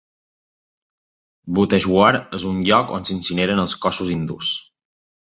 Bhooteshwar és un lloc on s'incineren cossos hindús.